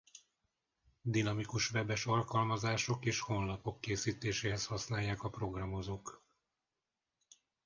Dinamikus webes alkalmazások és honlapok készítéséhez használják a programozók.